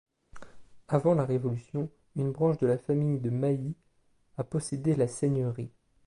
Avant la Révolution, une branche de la famille de Mailly a possédé la seigneurie.